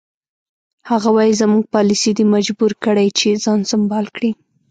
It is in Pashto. هغه وایي زموږ پالیسي دی مجبور کړی چې ځان سمبال کړي.